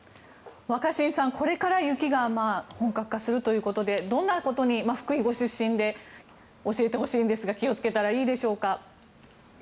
若新さん、これから雪が本格化するということでどんなことに福井ご出身で教えてほしいんですが気をつけたらいいでしょうか。